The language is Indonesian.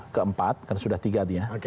keempat karena sudah tiga nih ya